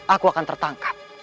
aku akan tertangkap